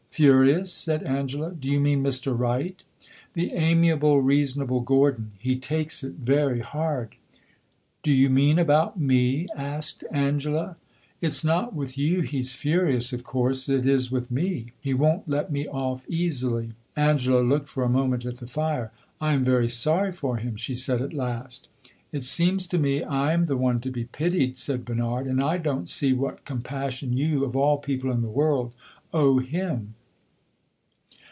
"Furious?" said Angela. "Do you mean Mr. Wright?" "The amiable, reasonable Gordon. He takes it very hard." "Do you mean about me?" asked Angela. "It 's not with you he 's furious, of course; it is with me. He won't let me off easily." Angela looked for a moment at the fire. "I am very sorry for him," she said, at last. "It seems to me I am the one to be pitied," said Bernard; "and I don't see what compassion you, of all people in the world, owe him."